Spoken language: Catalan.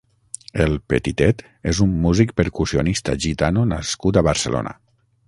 El Petitet és un músic percussionista gitano nascut a Barcelona.